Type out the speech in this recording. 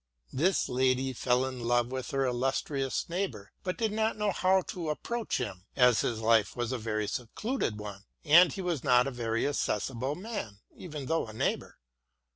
This lady fell in love with her illustrious neighbour, but did not know how to approach him, as his life was a very secluded one, and he was not a very accessible man, even though a neighbour.